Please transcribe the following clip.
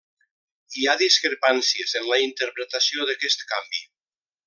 Hi ha discrepàncies en la interpretació d'aquest canvi.